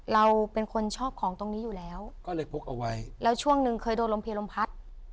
เราเป็นคนชอบของตรงนี้อยู่แล้วก็เลยพกเอาไว้แล้วช่วงหนึ่งเคยโดนลมเพลลมพัด